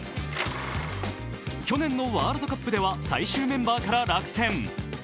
去年のワールドカップでは最終メンバーから落選。